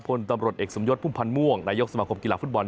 พลตำรวจเอกสมยศพุ่มพันธ์ม่วงนายกสมาคมกีฬาฟุตบอล